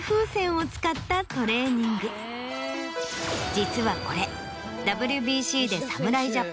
実はこれ。